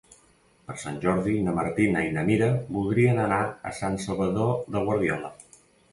Per Sant Jordi na Martina i na Mira voldrien anar a Sant Salvador de Guardiola.